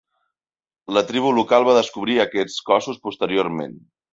La tribu local va descobrir aquests cossos posteriorment.